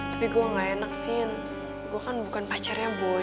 tapi gue gak enak sih gue kan bukan pacarnya boy